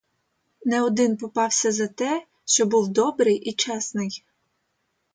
Не один попався за те, що був добрий і чесний.